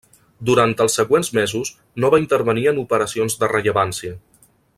Durant els següents mesos no va intervenir en operacions de rellevància.